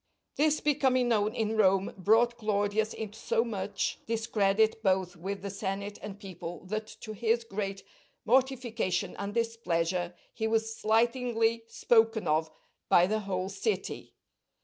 This becoming known in Rome brought Claudius into so much discredit both with the senate and people, that to his great mortification and displeasure, he was slightingly spoken of by the whole city.